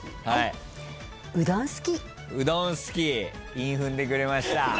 韻踏んでくれました。